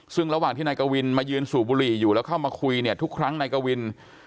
ซึ่งระหว่างที่นายกวินมายืนสูบบุหรี่อยู่แล้วเข้ามาคุยเนี่ยทุกครั้งนายกวิน